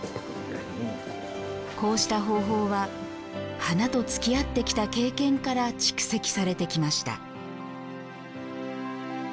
こうした方法は花とつきあってきた経験から蓄積されてきました。